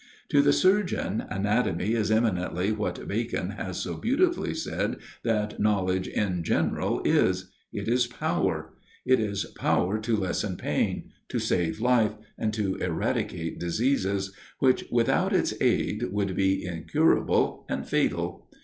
To the surgeon, anatomy is eminently what Bacon has so beautifully said that knowledge in general is: it is power it is power to lessen pain, to save life, and to eradicate diseases, which, without its aid, would be incurable and fatal.